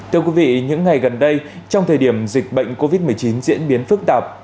thưa quý vị những ngày gần đây trong thời điểm dịch bệnh covid một mươi chín diễn biến phức tạp